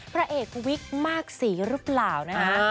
พระเอกวิกมากศรีหรือเปล่านะคะ